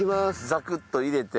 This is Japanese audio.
ザクッと入れて。